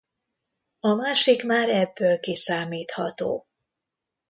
A másik már ebből kiszámítható.